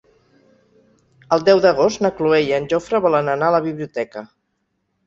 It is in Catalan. El deu d'agost na Cloè i en Jofre volen anar a la biblioteca.